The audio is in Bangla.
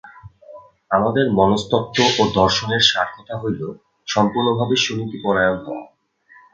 আমাদের মনস্তত্ত্ব ও দর্শনের সারকথা হইল সম্পূর্ণভাবে সুনীতিপরায়ণ হওয়া।